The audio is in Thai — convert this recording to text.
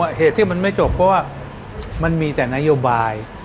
เหตุที่มันไม่จบเพราะว่ามันมีแต่นโยบาย